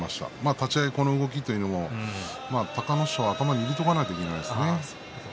立ち合いこの動きというのは隆の勝は頭に入れておかないといけないですね。